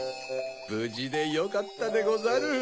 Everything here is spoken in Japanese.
ぶじでよかったでござる！